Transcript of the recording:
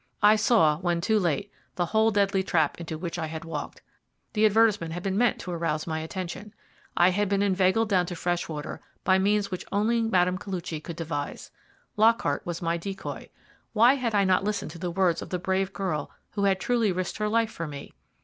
I saw, when too late, the whole deadly trap into which I had walked. The advertisement had been meant to arouse my attention. I had been inveigled down to Freshwater by means which only Mme. Koluchy could devise. Lockhart was my decoy. Why had I not listened to the words of the brave girl who had truly risked her life for me?